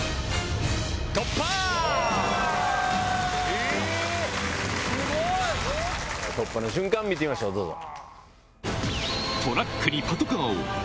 え⁉突破の瞬間見てみましょうどうぞ。